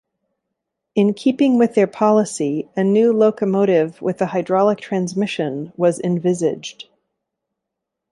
In keeping with their policy, a new locomotive with a hydraulic transmission was envisaged.